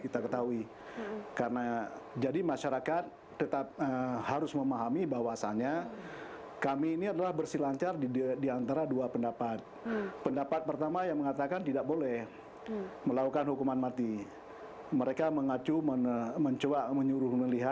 terima kasih terima kasih